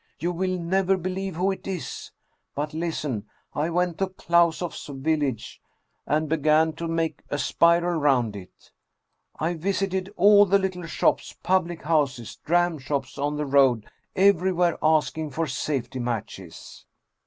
You will never believe who it is! But listen. I went to KlausofFs village, and began to make a spiral round it. I visited all the little shops, public houses, dram shops on the road, everywhere asking for safety matches.